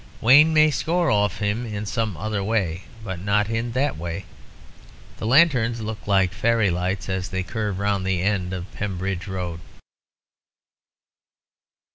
Wayne may score off him in some other way, but not in that way. The lanterns look like fairy lights as they curve round the end of Pembridge Road.